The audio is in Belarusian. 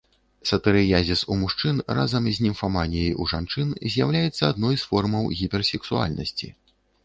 Сатырыязіс у мужчын разам з німфаманіяй у жанчын з'яўляецца адной з формаў гіперсексуальнасці.